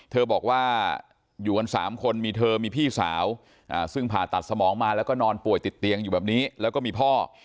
เธอบอกว่าอยู่กัน๓คนมีเธอมีพี่สาวซึ่งผ่าตัดสมองมาแล้วก็นอนป่วยติดเตียงอยู่แบบนี้แล้วก็มีพ่อ